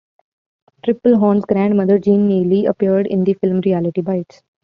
Tripplehorn's grandmother, Jean Neely, appeared in the film "Reality Bites".